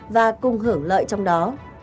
và cùng hưởng lợi trong đó